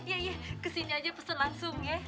iya iya kesini aja pesel langsung ya